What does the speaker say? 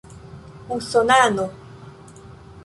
usonano